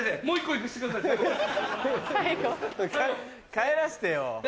帰らせてよ。